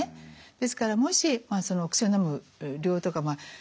ですからもしお薬をのむ量とか日数ですね